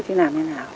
thế làm thế nào